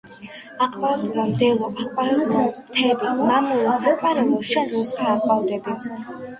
აყვავებულა მდელო აყვავებულან მთები მამულო საყვარელო შენ როსღა აყვავდები.